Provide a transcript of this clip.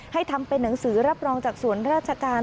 ทำเป็นหนังสือรับรองจากส่วนราชการ